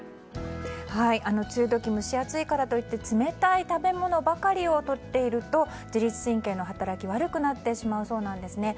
梅雨時蒸し暑いからといって冷たい食べ物ばかりをとっていると自律神経の働きが悪くなってしまうそうなんですね。